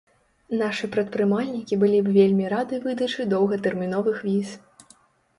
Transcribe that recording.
Нашы прадпрымальнікі былі б вельмі рады выдачы доўгатэрміновых віз.